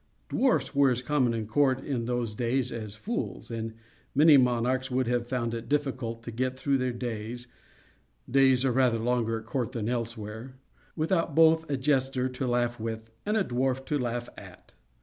Dwarfs were as common at court, in those days, as fools; and many monarchs would have found it difficult to get through their days (days are rather longer at court than elsewhere) without both a jester to laugh with, and a dwarf to laugh at.